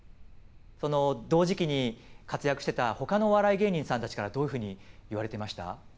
その同時期に活躍してたほかのお笑い芸人さんたちからどういうふうに言われてました？